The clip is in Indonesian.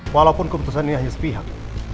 walaupun keputusan ini hanya sepihak